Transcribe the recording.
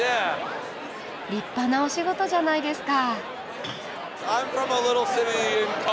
立派なお仕事じゃないですか。